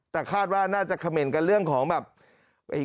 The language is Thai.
แต่คาดว่าน่าจะเขม่นกันเรื่องของแบบ